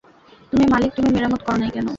তুমি মালিক তুমি মেরামত করো নাই কেন।